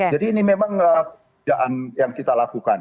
jadi ini memang yang kita lakukan